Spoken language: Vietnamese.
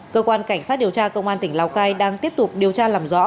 cơ quan cảnh sát điều tra công an tỉnh lào cai đang tiếp tục điều tra làm rõ